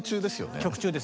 曲中です